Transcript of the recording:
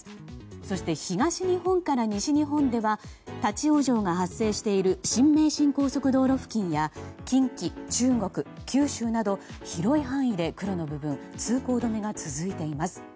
そして東日本から西日本では立ち往生が発生している新名神高速道路付近や近畿、中国、九州など広い範囲で黒の部分通行止めが続いています。